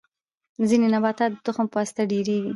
ځینې نباتات د تخم په واسطه ډیریږي